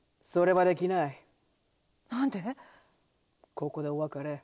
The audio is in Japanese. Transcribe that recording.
ここでお別れ。